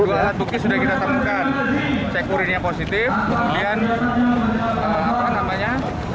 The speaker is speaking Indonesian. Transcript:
ya udah bukit sudah kita temukan sekurinya positif kemudian namanya